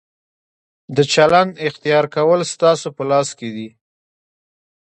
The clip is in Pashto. د چلند اختیار کول ستاسو په لاس کې دي.